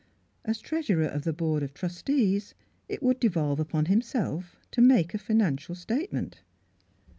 As treasurer of the board of trustees it would devolve upon himself to make a financial statement.